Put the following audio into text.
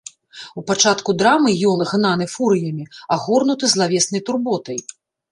У пачатку драмы ён, гнаны фурыямі, агорнуты злавеснай турботай.